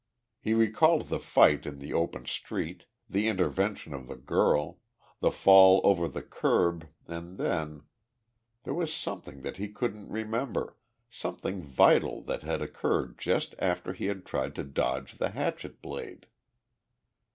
He recalled the fight in the open street, the intervention of the girl, the fall over the curb and then there was something that he couldn't remember, something vital that had occurred just after he had tried to dodge the hatchet blade.